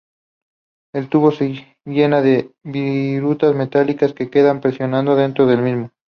El tubo se llena de virutas metálicas que quedan presionadas dentro del mismo.